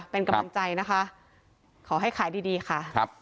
เป็นกรรมใจนะคะขอให้ขายดีดีค่ะ